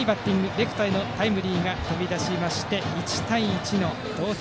レフトへのタイムリーが飛び出しまして１対１の同点。